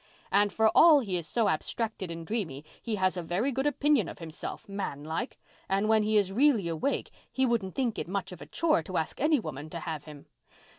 And for all he is so abstracted and dreamy he has a very good opinion of himself, man like, and when he is really awake he wouldn't think it much of a chore to ask any woman to have him.